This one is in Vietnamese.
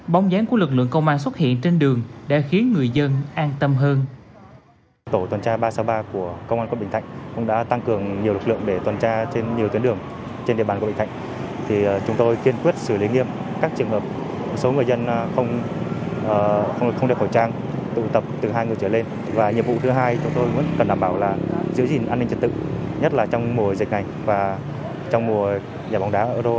bóng dáng của lực lượng công an xuất hiện trên đường đã khiến người dân an tâm hơn